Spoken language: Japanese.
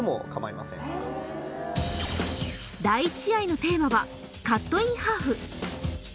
第１試合のテーマはカットインハーフ